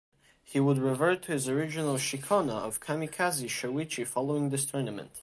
He would revert to his original "shikona" of Kamikaze Shoichi following this tournament.